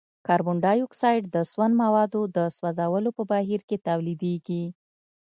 کاربن ډای اکسايډ د سون موادو د سوځولو په بهیر کې تولیدیږي.